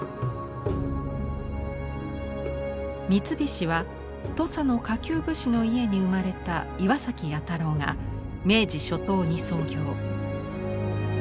三菱は土佐の下級武士の家に生まれた岩崎彌太郎が明治初頭に創業。